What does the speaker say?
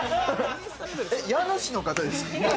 家主の方ですか？